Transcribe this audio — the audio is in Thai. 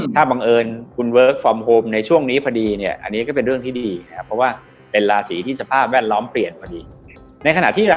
ถ้าบังเอิญคุณเวิร์กฟอร์มโฮมในช่วงนี้พอดี